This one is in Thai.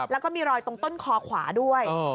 แล้วก็มีรอยตรงต้นคอขวาด้วย